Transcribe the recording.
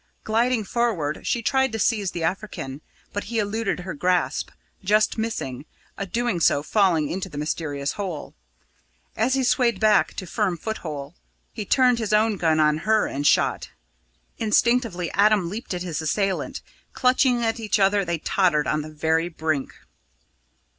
Gliding forward, she tried to seize the African; but he eluded her grasp, just missing, in doing so, falling into the mysterious hole. As he swayed back to firm foothold, he turned his own gun on her and shot. Instinctively Adam leaped at his assailant; clutching at each other, they tottered on the very brink.